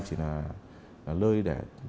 chỉ là nơi để